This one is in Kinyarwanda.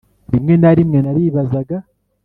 rimwe na rimwe naribazaga